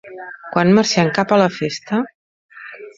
Quan marxem cap a la festa?